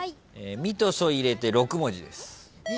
ミとソ入れて６文字です。